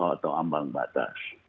atau ambang batas